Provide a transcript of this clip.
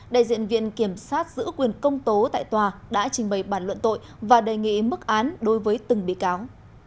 đại diện viện kiểm sát giữ quyền công tố tại tòa đã trình bày bản luận tội và đề nghị mức án đối với từng bị cáo